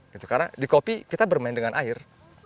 karena di kopi kita bermain dengan air